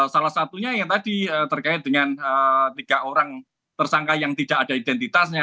salah satunya ya tadi terkait dengan tiga orang tersangka yang tidak ada identitasnya